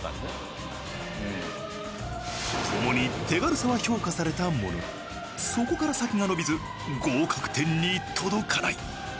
共に手軽さは評価されたもののそこから先が伸びず合格点に届かない。